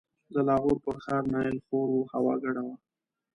د لاهور پر ښار نایل خور و، هوا ګډه وه.